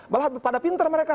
malah pada pinter mereka